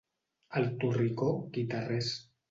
Al Torricó, guitarrers.